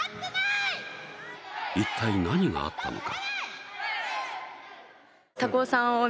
一体、何があったのか。